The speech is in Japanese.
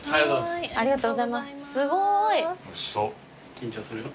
緊張する？